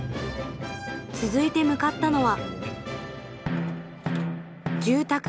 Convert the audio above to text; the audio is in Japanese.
続いて向かったのは。